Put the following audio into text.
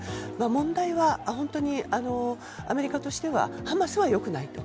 問題はアメリカとしてはハマスは良くないと。